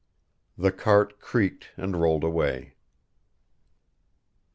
The cart creaked and rolled away.